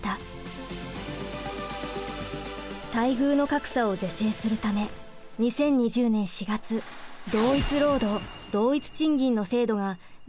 待遇の格差を是正するため２０２０年４月同一労働同一賃金の制度が大企業で適用されました。